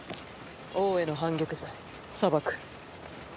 王への反逆罪裁く。